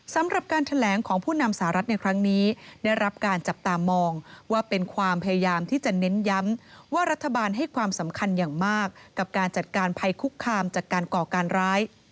สำหรับการแถลงของผู้นำสหรัฐในครั้งนี้ได้รับการจับตามองว่าเป็นความพยายามที่จะเน้นย้ำว่ารัฐบาลให้ความสำคัญอย่างมากกับการจัดการภัยคุกคามจากการก่อการร้าย